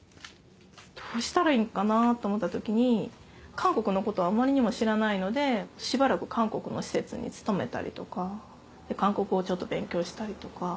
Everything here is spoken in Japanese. どうしたらいいんかなって思った時に韓国のことをあまりにも知らないのでしばらく韓国の施設に勤めたりとか韓国語をちょっと勉強したりとか。